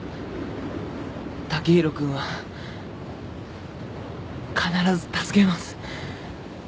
剛洋君は必ず助けます。